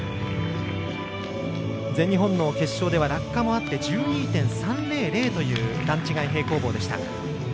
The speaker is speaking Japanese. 全日本の決勝では落下もあって１２．３００という段違い平行棒でした。